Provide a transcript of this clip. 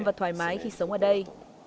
và thoải mái khi sống ở đây